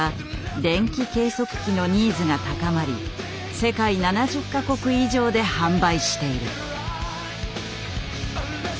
電気計測器のニーズが高まり世界７０か国以上で販売している。